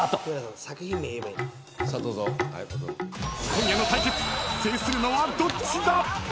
［今夜の対決制するのはどっちだ？］